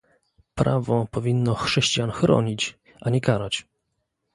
Prawo powinno chrześcijan chronić, a nie karać